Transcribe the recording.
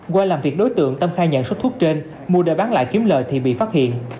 qua làm việc đối tượng tâm khai nhận số thuốc trên mua để bán lại kiếm lời thì bị phát hiện